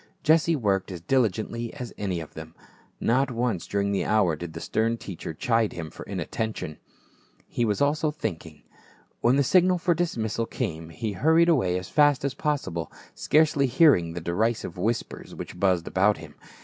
Jesse worked as diligently as any of them. Not once during the hour did the stern teacher chide him for inattention ; he was also think ing. When the signal for dismissal came he hurried away as fast as possible, scarcely hearing the derisive whispers which buzzed about him.